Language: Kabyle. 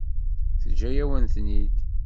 Teǧǧa-yawen-ten-id?